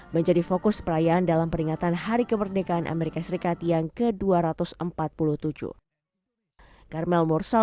menjadi fokus perayaan dalam peringatan hari kemerdekaan amerika serikat yang ke dua ratus empat puluh tujuh